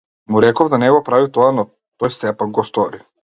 Му реков да не го прави тоа, но тој сепак го стори.